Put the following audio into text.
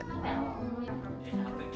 dengan segala keterbatasannya